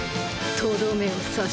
とどめをさし。